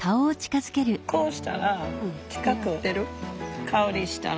こうしたら近く香りしたら。